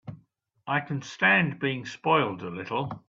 I can stand being spoiled a little.